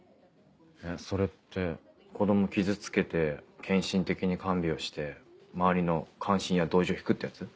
えっそれって子供を傷つけて献身的に看病して周りの関心や同情引くってやつ？